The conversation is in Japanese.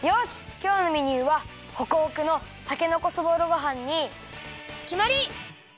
きょうのメニューはホクホクのたけのこそぼろごはんにきまり！